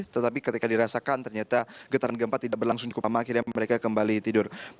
tetapi ketika dirasakan ternyata getaran gempa tidak berlangsung cukup lama akhirnya mereka kembali tidur